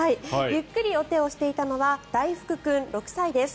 ゆっくりお手をしていたのは、大福君６歳です。